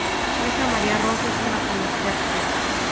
Su hija María Rosa es una conocida actriz.